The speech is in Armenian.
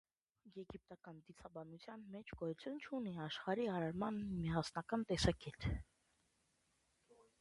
Եգիպտական դիցաբանության մեջ գոյություն չունի աշխարհի արարման միասնական տեսակետ։